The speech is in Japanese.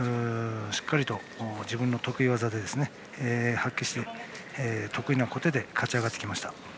しっかりと自分の得意技を発揮し得意な小手で勝ち上がってきました。